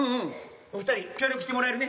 お二人協力してもらえるね？